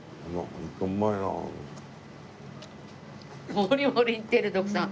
モリモリいってる徳さん。